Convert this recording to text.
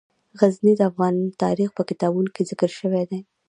غزني د افغان تاریخ په کتابونو کې ذکر شوی دي.